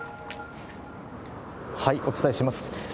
お伝えします。